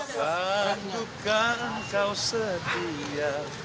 kan duka engkau setia